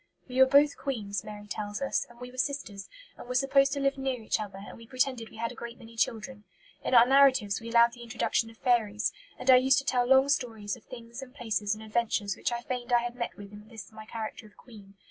"We were both queens," Mary tells us, "and we were sisters, and were supposed to live near each other, and we pretended we had a great many children. In our narratives we allowed the introduction of fairies, and I used to tell long stories of things and places and adventures which I feigned I had met with in this my character of queen.